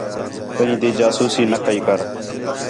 کَئی تی جاسوسی نہ کَئی کر